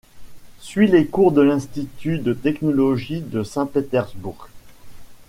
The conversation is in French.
Suit les cours de l'Institut de technologie de Saint-Pétersbourg.